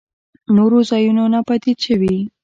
نورو ځايونو ناپديد شوي.